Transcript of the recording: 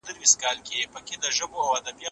عدالت د ټولني هیله وه.